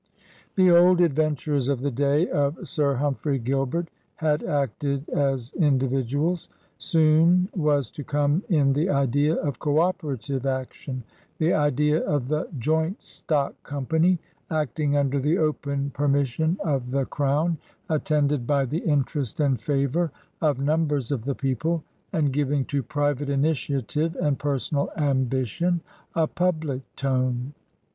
The old adventurers of the day of Sir Hum phrey Gilbert had acted as individuals. Soon was to come in the idea of coQperative ac tion — the idea of the joint stock company, act ing under the open permission of the Crown, attended by the interest and favor of numbers of the people, and giving to private initiative and personal ambition a public tone.